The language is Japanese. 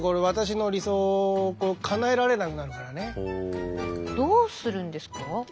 どうするんですか？